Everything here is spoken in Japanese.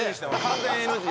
完全ＮＧ！